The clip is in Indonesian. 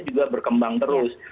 juga berkembang terus